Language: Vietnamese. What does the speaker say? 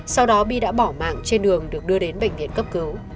sau đó my đã bỏ mạng trên đường được đưa đến bệnh viện cấp cứu